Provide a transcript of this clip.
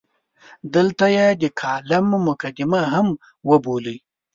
دلته یې د کالم مقدمه هم وبولئ.